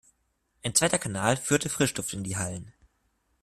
Ein zweiter Kanal führte Frischluft in die Hallen.